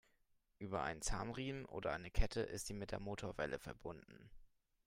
Über einen Zahnriemen oder eine Kette ist sie mit der Motorwelle verbunden.